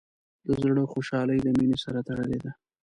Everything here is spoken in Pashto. د زړۀ خوشحالي د مینې سره تړلې ده.